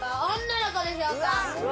女の子でしょうか？